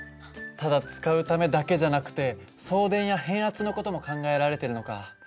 ただ使うためだけじゃなくて送電や変圧の事も考えられてるのか。